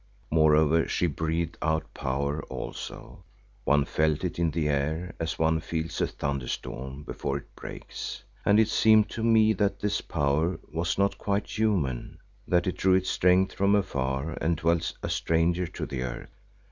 Moreover she breathed out power also; one felt it in the air as one feels a thunderstorm before it breaks, and it seemed to me that this power was not quite human, that it drew its strength from afar and dwelt a stranger to the earth.